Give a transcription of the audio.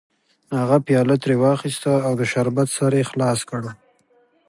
هغه پیاله ترې واخیسته او د شربت سر یې خلاص کړ